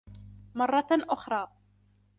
مرة أخرى.